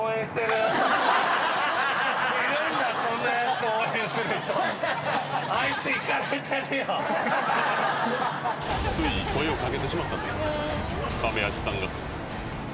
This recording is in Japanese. つい声を掛けてしまったんだね